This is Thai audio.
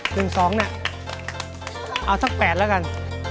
หนึ่งสองเนี่ยเอาสักแปดแล้วกัน